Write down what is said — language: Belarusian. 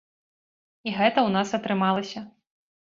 І гэта ў нас атрымалася.